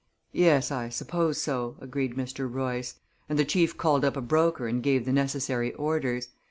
"Yes, I suppose so," agreed Mr. Royce, and the chief called up a broker and gave the necessary orders.